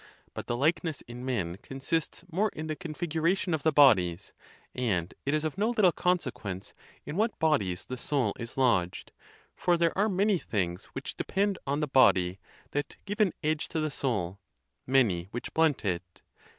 But the likeness in men consists more in the configuration of the bodies: and it is of no little consequence in what bodies the soul is lodged; for there are many things which depend on the body that give an edge to the soul, many which blunt it.